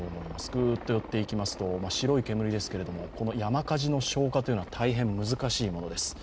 グーッと寄っていきますと白い煙ですけれどもこの山火事の消火というのは大変難しいものです。